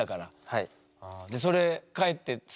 はい。